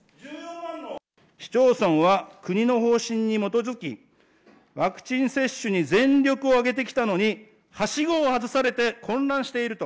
市町村は国の方針に基づき、ワクチン接種に全力を挙げてきたのに、はしごを外されて混乱していると。